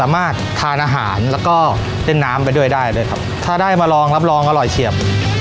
ทานอาหารแล้วก็เล่นน้ำไปด้วยได้ด้วยครับถ้าได้มาลองรับรองอร่อยเฉียบ